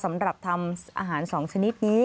สำหรับทำอาหาร๒ชนิดนี้